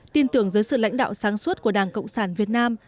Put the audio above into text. tin tưởng dưới sự lãnh đạo sáng suốt của đảng cộng sản việt nam